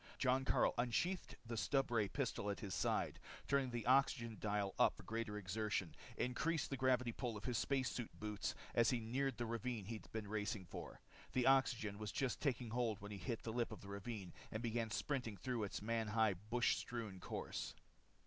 Jon Karyl unsheathed the stubray pistol at his side, turned the oxygen dial up for greater exertion, increased the gravity pull in his space suit boots as he neared the ravine he'd been racing for. The oxygen was just taking hold when he hit the lip of the ravine and began sprinting through its man high bush strewn course.